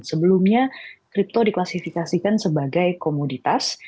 sebelumnya crypto diklasifikasikan sebagai komoditas